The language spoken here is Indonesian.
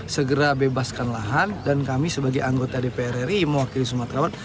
segera bebaskan lahan dan kami sebagai anggota dpr ri mewakili sumatera barat